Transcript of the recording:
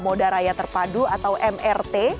moda raya terpadu atau mrt